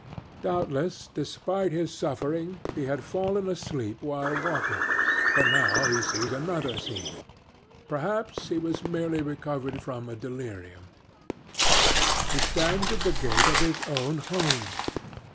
Doubtless, despite his suffering, he had fallen asleep while walking, for now he sees another scene perhaps he has merely recovered from a delirium. He stands at the gate of his own home.